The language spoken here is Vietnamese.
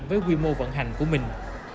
với quy mô vận hành của mình